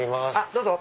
どうぞ。